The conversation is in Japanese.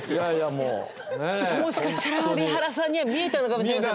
もしかしたら蛯原さんには見えたのかもしれません。